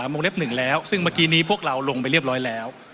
เมื่อกี้นี้พวกเราลงไปเรียบร้อยแล้ว